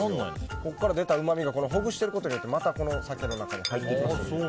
ここから出たうまみがほぐすことによってまたサケの中に入っていきます。